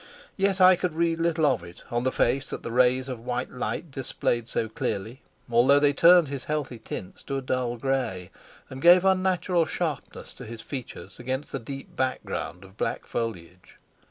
Yet I could read little of it on the face that the rays of white light displayed so clearly, although they turned his healthy tints to a dull gray, and gave unnatural sharpness to his features against the deep background of black foliage.